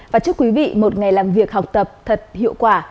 và chúc quý vị một ngày làm việc học tập thật hiệu quả